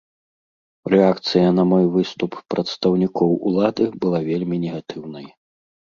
Рэакцыя на мой выступ прадстаўнікоў улады была вельмі негатыўнай.